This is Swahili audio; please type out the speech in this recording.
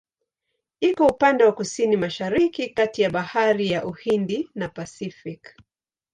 Iko upande wa Kusini-Mashariki kati ya Bahari ya Uhindi na Pasifiki.